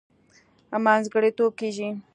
منځګړتوب کېږي.